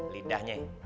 lidahnya yang kagak